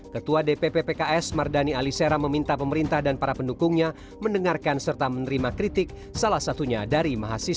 ketua dpp pks mardani alisera meminta pemerintah dan para pendukungnya mendengarkan serta menerima kritik salah satunya dari mahasiswa